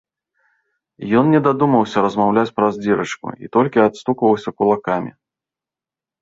Ён не дадумаўся размаўляць праз дзірачку, і толькі адстукваўся кулакамі.